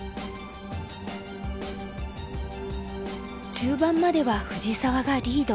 中盤までは藤沢がリード。